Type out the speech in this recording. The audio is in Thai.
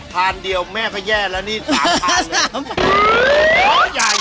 พาลเดียวแม่ก็แย่แล้วนี่สามพาลเลย